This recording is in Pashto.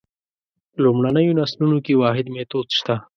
لومړنیو نسلونو کې واحد میتود شته.